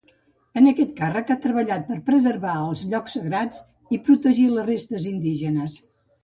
En aquest càrrec ha treballat per preservar els llocs sagrats i protegir les restes indígenes.